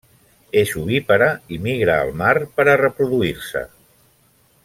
És ovípara i migra al mar per a reproduir-se.